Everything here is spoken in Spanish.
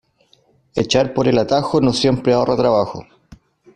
Echar por el atajo no siempre ahorra trabajo.